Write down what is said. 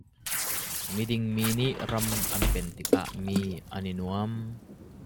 Miding mi nih ram an pen tikah mi an i nuam.